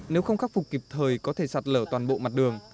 nếu không khắc phục kịp thời có thể sạt lở toàn bộ mặt đường